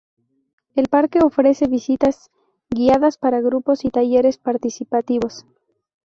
El parque ofrece visitas guiadas para grupos y talleres participativos.